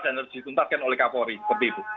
dan harus dituntaskan oleh kapolri seperti itu